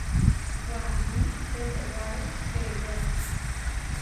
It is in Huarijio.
Waní tetewáre Pedró.